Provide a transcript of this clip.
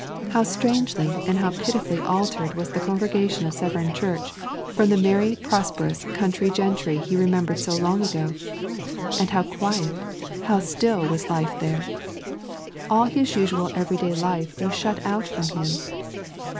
How strangely and how pitifully altered was the congregation of Severn church from the merry prosperous country gentry he remembered so long ago! And how quiet, how still was life there! All his usual every day life was shut out from him.